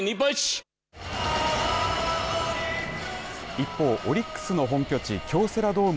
一方、オリックスの本拠地京セラドーム